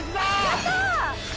やったー！